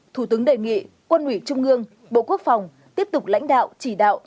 thủ tướng đề nghị quân ủy trung ương bộ quốc phòng tiếp tục lãnh đạo chỉ đạo